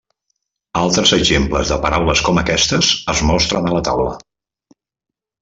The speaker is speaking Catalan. Altres exemples de paraules com aquestes es mostren a la taula.